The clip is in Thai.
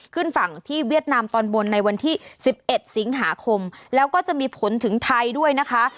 ขึ้นฝั่งที่เวียดนามตอนบนในวันที่๑๑สิงหาคมแล้วก็จะมีผลถึงไทยด้วยนะคะ